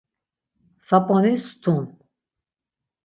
Sap̌oni stun.